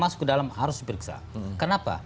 masuk ke dalam harus diperiksa kenapa